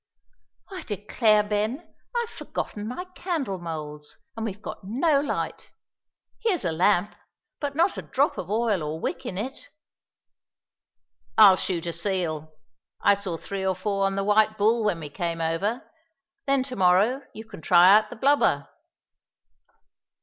"I declare, Ben, I've forgotten my candle moulds, and we've got no light. Here's a lamp, but not a drop of oil or wick in it." "I'll shoot a seal, I saw three or four on the White Bull when we came over, then to morrow you can try out the blubber."